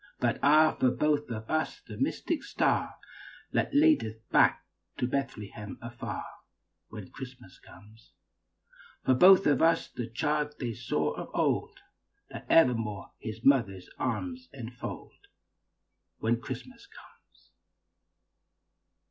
But ah, for both of us the mystic star That leadeth back to Bethlehem afar, When Christmas comes. For both of us the child they saw of old, That evermore his mother's arms enfold, When Christmas comes.